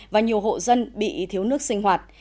và nhiều hộ dân bị thiếu nước sinh hoạt